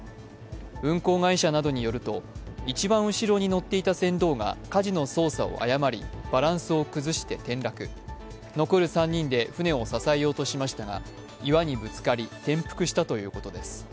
運航会社などによると、一番後ろに乗っていた船頭がかじの操作を誤りバランスを崩して転落、残る３人で舟を支えようとしましたが岩にぶつかり、転覆したということです。